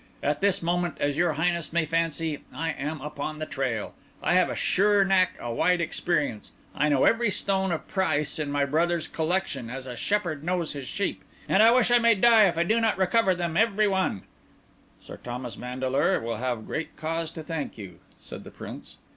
At this moment, as your Highness may fancy, I am upon the trail; I have a sure knack, a wide experience; I know every stone of price in my brother's collection as a shepherd knows his sheep; and I wish I may die if I do not recover them every one!" "Sir Thomas Vandeleur will have great cause to thank you," said the Prince.